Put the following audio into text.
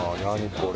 これ。